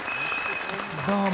どうも。